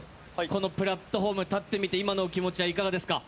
このプラットホームに立ってみて今のお気持ちはいかがですか？